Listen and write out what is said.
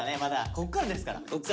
こっからですから。